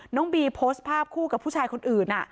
น้องบีโพสต์ภาพคู่กับผู้ชายคนอื่น